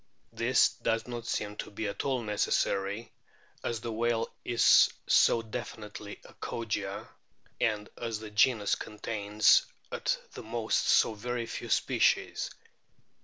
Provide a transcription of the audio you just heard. This does not seem to be at all necessary, as the whale is so definitely a Kogia, and as the genus contains at the most so very few species.